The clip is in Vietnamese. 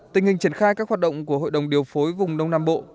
tình hình triển khai các hoạt động của hội đồng điều phối vùng đông nam bộ